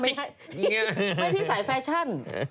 ไม่ให้พี่ใส่แฟชั่น